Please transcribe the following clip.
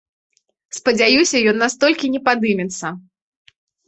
Спадзяюся, ён настолькі не падымецца.